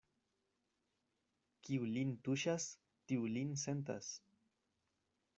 Kiu lin tuŝas, tiu lin sentas.